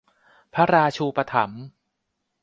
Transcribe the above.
พระราชูปถัมภ์